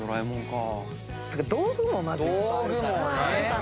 道具もまずいっぱいあるから。